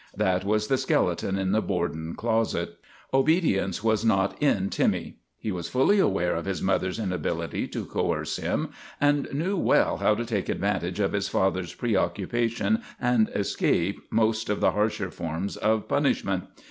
That was the skeleton in the Borden closet. Obedience was not in Timmy. He was fully aware of his mother's inability to coerce him and knew well how to take advantage of his father's preoccupation and escape most of the harsher forms of punishment.